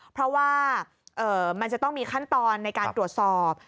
เพราะว่ามันจะต้องมีขั้นตอนในการตรวจสอบ